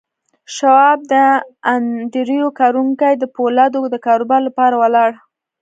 شواب د انډریو کارنګي د پولادو د کاروبار لپاره ولاړ